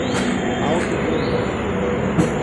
Alto Rio Novo